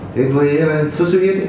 thế với sốt huyết